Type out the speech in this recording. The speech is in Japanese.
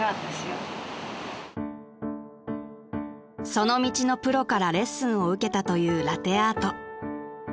［その道のプロからレッスンを受けたというラテアート］